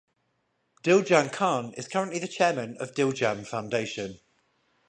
Dil Jan Khan is currently the Chairman of Dil Jan Foundation.